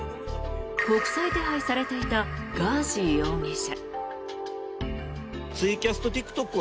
国際手配されていたガーシー容疑者。